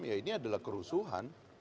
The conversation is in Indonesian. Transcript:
ya ini adalah kerusuhan